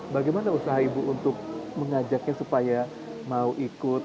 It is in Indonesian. bagaimana usaha ibu untuk mengajaknya supaya mau ikut